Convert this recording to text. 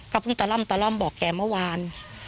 เพิ่งตะล่อมตะล่อมบอกแกเมื่อวาน